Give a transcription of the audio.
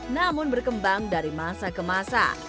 namun berkembang dari masa ke masa